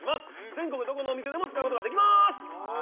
全国どこのお店でも使うことができまーす！